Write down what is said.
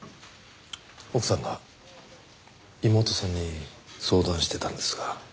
奥さんが妹さんに相談してたんですが。